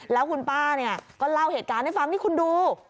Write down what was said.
แล้วคุณป้าเนี่ยก็เล่าเหตุการณ์ให้ฟังนี่คุณดู